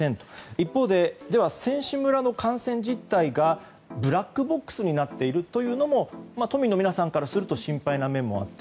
一方で、では選手村の感染実態がブラックボックスになっているというのも都民の皆さんからすると心配な面もあって。